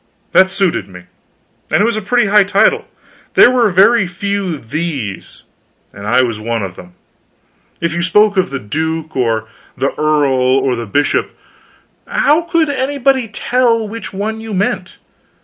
That suited me. And it was a pretty high title. There were very few THE'S, and I was one of them. If you spoke of the duke, or the earl, or the bishop, how could anybody tell which one you meant?